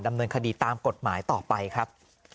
ดำเนินคดีตามกฎหมายต่อไปครับ